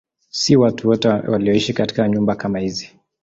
Si watu wote walioishi katika nyumba kama hizi.